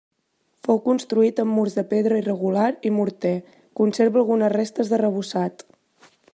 Fou construït amb murs de pedra irregular i morter, conserva algunes restes d'arrebossat.